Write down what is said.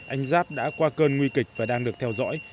anh giáp đã qua cơn nguy kịch và đang được theo dõi